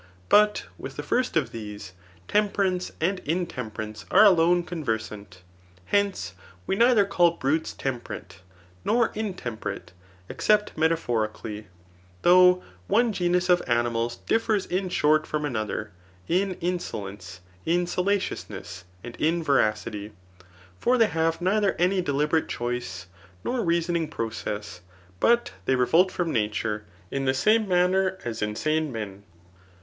But with the first of these, temperance and mtemperance are alone conversant. Hence, we neither call brutes tetom perate, nor intemperate, except metaphorically, though one genus of ammals differs in short from another, in in solence, in salaciousness, and in voracity. For they have neither any deliberate choice, nor reasoning process ; but they revolt from nature, in the same manner as insane men.